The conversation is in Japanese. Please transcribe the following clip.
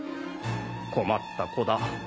困った子だ。